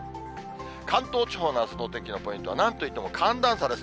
関東地方のあすのお天気のポイントは、なんといっても寒暖差です。